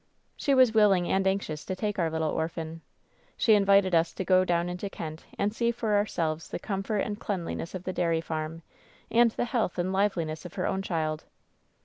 She was willing and anxious to take our littlfe orphan. She invited us to go down into Kent and see for ourselves the comfort and cleanliness of the dairy farm, and the health and liveliness of her own child.